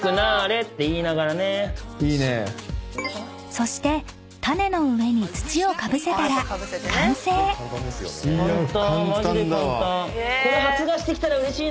［そして種の上に土をかぶせたら完成］できた！